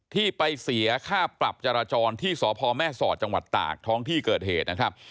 ที่ไปเสียค่าปรับจราจรที่สพแม่สอดจังหวัดตากท้องที่เกิดเหตุนะครับ